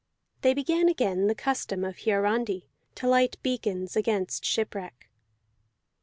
They began again the custom of Hiarandi, to light beacons against shipwreck.